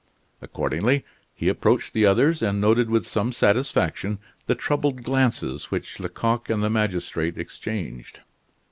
Accordingly, he approached the others, and noted with some satisfaction the troubled glances which Lecoq and the magistrate exchanged.